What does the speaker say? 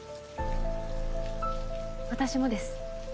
私もです。